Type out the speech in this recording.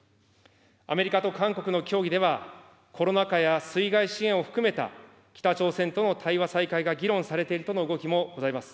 アメリカと韓国の協議では、コロナ禍や水害支援を含めた北朝鮮との対話再開が議論されているとの動きもございます。